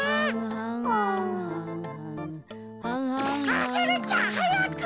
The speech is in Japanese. アゲルちゃんはやく！